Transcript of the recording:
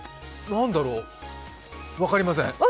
何だろう、分かりません。